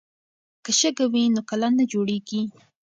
که شګه وي نو کلا نه جوړیږي.